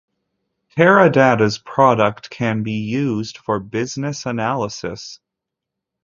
Teradata's product can be used for business analysis.